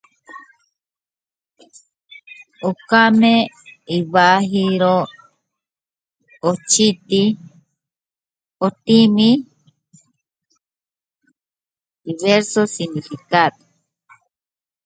El nombre de esta mascota tiene diversos significados.